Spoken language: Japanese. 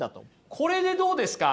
これでどうですか？